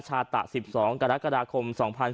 ชาตะ๑๒กรกฎาคม๒๕๖๒